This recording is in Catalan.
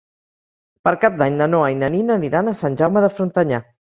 Per Cap d'Any na Noa i na Nina aniran a Sant Jaume de Frontanyà.